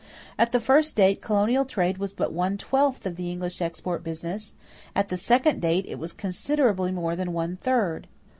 At the first date, colonial trade was but one twelfth of the English export business; at the second date, it was considerably more than one third.